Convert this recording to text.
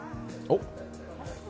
おっ？